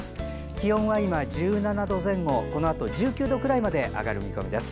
気温は今１７度前後このあと、１９度くらいまで上がる見込みです。